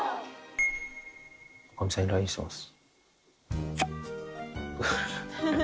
女将さんにＬＩＮＥしてます。